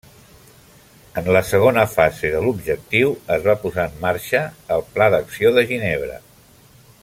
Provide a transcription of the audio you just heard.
En la segona fase l'objectiu, es va posar en marxa el Pla d'Acció de Ginebra.